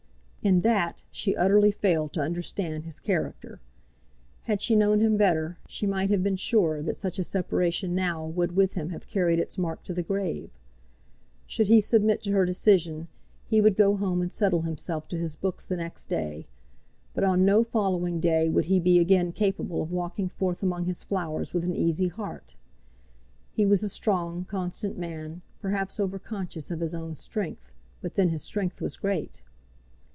In that she utterly failed to understand his character. Had she known him better, she might have been sure that such a separation now would with him have carried its mark to the grave. Should he submit to her decision, he would go home and settle himself to his books the next day; but on no following day would he be again capable of walking forth among his flowers with an easy heart. He was a strong, constant man, perhaps over conscious of his own strength; but then his strength was great.